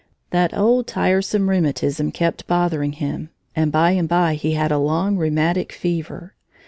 That old, tiresome rheumatism kept bothering him, and by and by he had a long rheumatic fever.